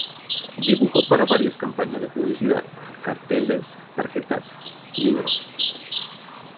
Dibujó para varias campañas de publicidad, carteles, tarjetas, libros.